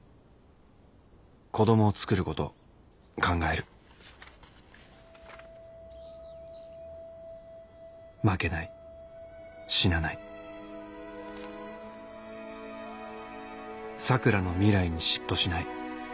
子どもを作ること考える負けない死なない咲良の未来に嫉妬しない。